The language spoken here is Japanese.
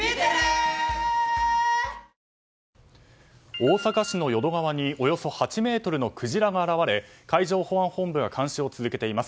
大阪市の淀川におよそ８ｍのクジラが現れ海上保安本部が監視を続けています。